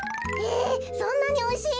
そんなにおいしいの？